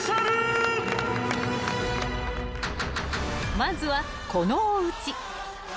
［まずはこのおうち］